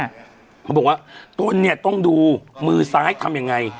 เขาบอกว่าต้นเนี่ยต้องดูมือซ้ายทำยังไง